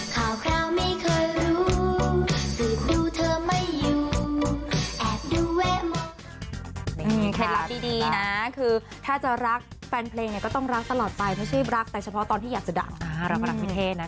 แค่รักดีนะคือถ้าจะรักแฟนเพลงก็ต้องรักตลอดไปไม่ใช่รักแต่เฉพาะตอนที่อยากจะดั่ง